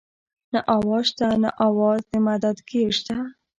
نه اواز شته نه اواز د مدد ګير شته